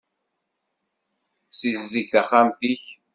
Ssizdeg taxxamt-ik.